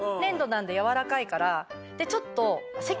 でちょっと。